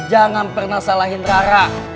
jangan pernah salahin rara